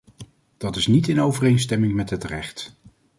Dat is niet in overeenstemming met het recht.